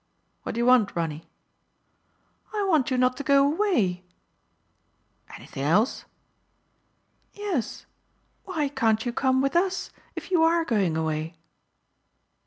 What do you want, Ronny ?"" I want you not to go away !'Anything else ?'*" Yes. Why can't you come with us, if you are going away